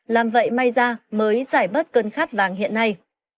làm vậy may ra mới giải bớt cơn khát vàng hiện nay